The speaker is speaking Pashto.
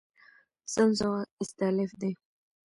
سم ځواب استالف دی.